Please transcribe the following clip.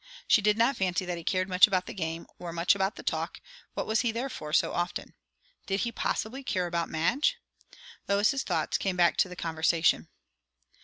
She did not fancy that he cared much about the game, or much about the talk; what was he there for, so often? Did he, possibly, care about Madge? Lois's thoughts came back to the conversation.